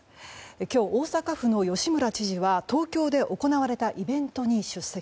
今日、大阪府の吉村知事は東京で行われたイベントに出席。